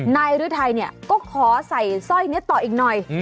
นายฤทัยเนี่ยก็ขอใส่สร้อยนี้ต่ออีกหน่อย